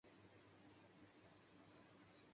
مجھے air cooler لے کر دو